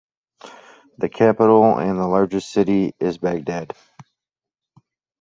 The capital, and largest city, is Baghdad.